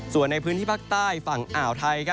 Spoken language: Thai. ส่วนในพื้นที่ภาคใต้ฝั่งอ่าวไทย